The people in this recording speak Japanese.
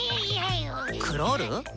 クロール？